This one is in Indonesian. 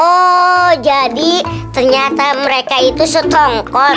oh jadi ternyata mereka itu setongkon